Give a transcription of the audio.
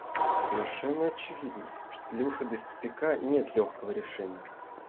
Совершенно очевидно, что для выхода из тупика нет легкого решения.